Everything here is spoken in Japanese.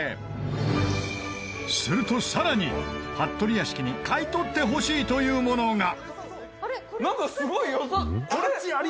するとさらに服部屋敷に買い取ってほしいというものが。